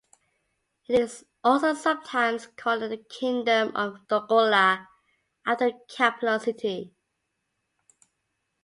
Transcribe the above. It is also sometimes called the Kingdom of Dongola, after the capital city.